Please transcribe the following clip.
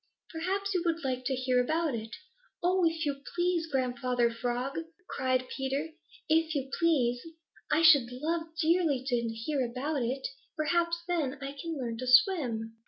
Perhaps you would like to hear about it." "Oh, if you please, Grandfather Frog," cried Peter. "If you please. I should love dearly to hear about it. Perhaps then I can learn to swim."